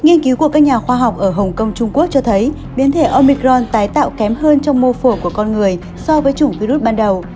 nghiên cứu của các nhà khoa học ở hồng kông trung quốc cho thấy biến thể omicron tái tạo kém hơn trong mô phổ của con người so với chủng virus ban đầu